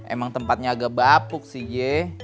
emang tempatnya agak bapuk sih ya